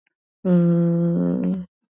Nilikuwa mwanafunzi mwenye nidhamu zaidi